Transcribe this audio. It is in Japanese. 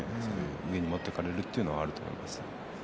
上に持っていかれるというのはあると思います。